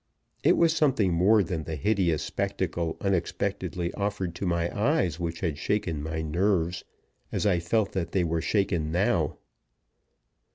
It was something more than the hideous spectacle unexpectedly offered to my eyes which had shaken my nerves as I felt that they were shaken now.